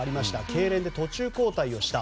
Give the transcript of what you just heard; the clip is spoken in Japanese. けいれんで途中交代をした。